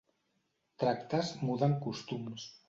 Tractes muden costums.